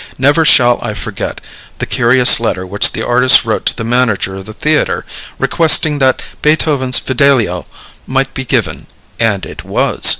Never shall I forget the curious letter which the artist wrote to the manager of the theatre, requesting that Beethoven's Fidelio might be given (and it was!)